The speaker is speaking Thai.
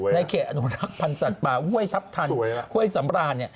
ในเขตอนุรักษ์พันธ์สัตว์ป่าห้วยทัพทันห้วยสำราน